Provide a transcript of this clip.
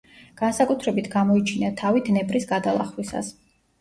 განსაკუთრებით გამოიჩინა თავი დნეპრის გადალახვისას.